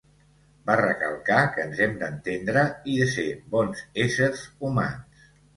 Va recalcar que ens hem d'entendre i ser bons éssers humans.